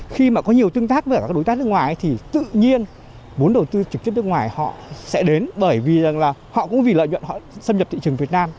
khi mà có nhiều tương tác với các đối tác nước ngoài thì tự nhiên vốn đầu tư trực tiếp nước ngoài họ sẽ đến bởi vì rằng là họ cũng vì lợi nhuận họ xâm nhập thị trường việt nam